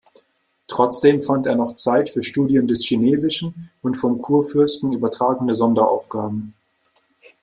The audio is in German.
Trotzdem fand er noch Zeit für Studien des Chinesischen und vom Kurfürsten übertragene Sonderaufgaben.